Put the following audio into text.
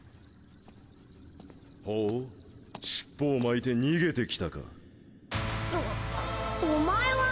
ほう尻尾を巻いて逃げて来たかお前は！